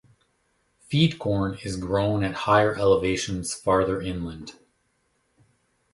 Feed corn is grown at higher elevations farther inland.